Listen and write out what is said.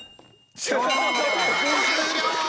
終了！